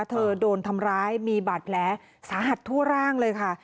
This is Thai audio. โดนทำร้ายมีบาดแผลสาหัสทั่วร่างเลยค่ะ